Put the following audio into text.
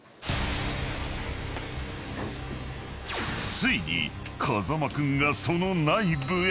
［ついに風間君がその内部へ］